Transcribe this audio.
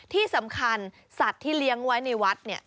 ที่สำคัญสัตว์ที่เลี้ยงไว้ในวัดเนี่ย